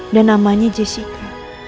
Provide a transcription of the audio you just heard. dan namanya jessica